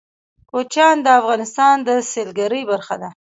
کوچیان د افغانستان د سیلګرۍ برخه ده.